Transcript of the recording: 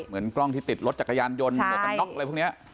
เหมือนกล้องที่ติดรถจักรยานยนต์หมวกกันน็อกอะไรพวกนี้